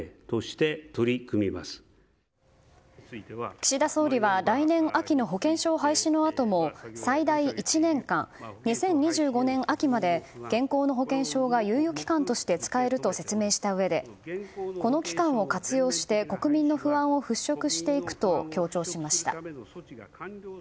岸田総理は来年秋の保険証廃止のあとも最大１年間２０２５年秋まで現行の保険証が猶予期間として使えると説明したうえでこの期間を活用して国民の不安を払拭していくと強調しました。